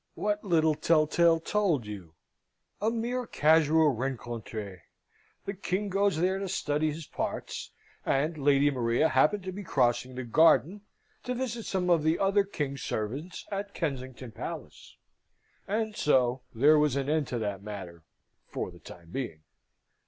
"What little tell tale told you? A mere casual rencontre the King goes there to study his parts, and Lady Maria happened to be crossing the garden to visit some of the other King's servants at Kensington Palace." And so there was an end to that matter for the time being.